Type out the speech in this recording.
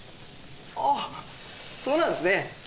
あぁそうなんですね。